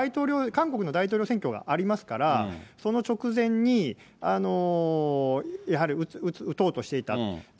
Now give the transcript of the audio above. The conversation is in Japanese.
やはり韓国の大統領選挙がありますから、その直前にやはりうとうとしていた。